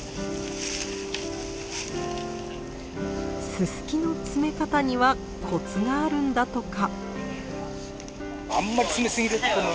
ススキの詰め方にはコツがあるんだとか。